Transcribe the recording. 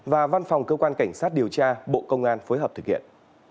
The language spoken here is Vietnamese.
và văn phòng cơ quan cảnh sát điều tra bộ công an phối hợp thực hiện